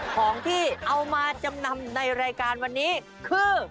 ของที่เอามาจำนำในรายการวันนี้คือ